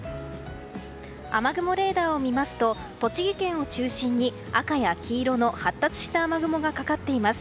雨雲レーダーを見ますと栃木県を中心に赤や黄色の発達した雨雲がかかっています。